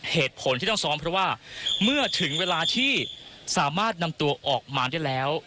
เหตุผลที่ต้องซ้อมเพราะว่าเมื่อถึงเวลาที่สามารถนำตัวออกมาได้แล้ว